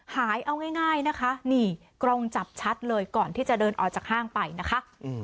หายเอาง่ายนะคะนี่กล้องจับชัดเลยก่อนที่จะเดินออกจากห้างไปนะคะ